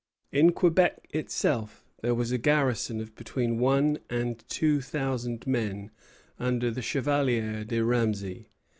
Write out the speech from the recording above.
In Quebec itself there was a garrison of between one and two thousand men under the Chevalier de Ramesay.